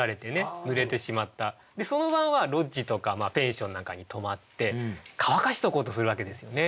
その晩はロッジとかペンションなんかに泊まって乾かしとこうとするわけですよね。